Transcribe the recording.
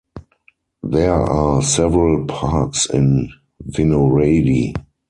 There are several parks in Vinohrady.